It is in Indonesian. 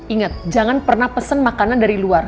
ingat jangan pernah pesen makanan dari luar